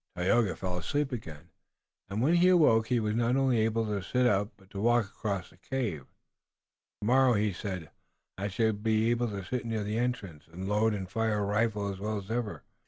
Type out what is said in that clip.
Tayoga fell asleep again, and when he awoke he was not only able to sit up, but to walk across the cave. "Tomorrow," he said, "I shall be able to sit near the entrance and load and fire a rifle as well as ever.